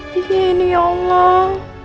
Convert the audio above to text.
biar bia ini allah